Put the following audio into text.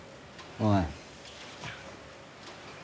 おい。